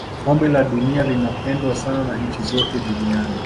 kombe la dunia linapendwa sana na nchi zote duniani